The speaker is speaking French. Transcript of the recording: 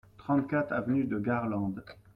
trente-quatre avenue de Garlande